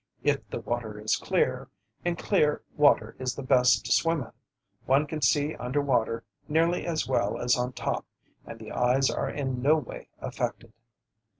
If the water is clear, and clear water is the best to swim in, one can see under water nearly as well as on top and the eyes are in no way affected.